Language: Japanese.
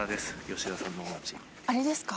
あれですか？